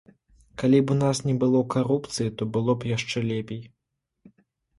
Калі б у нас не было карупцыі, то было б яшчэ лепей.